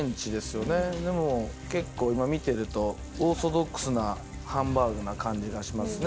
結構今見てるとオーソドックスなハンバーグな感じがしますね